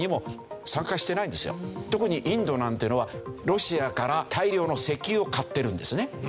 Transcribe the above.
特にインドなんていうのはロシアから大量の石油を買ってるんですね。